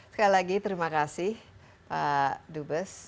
sekali lagi terima kasih pak dubes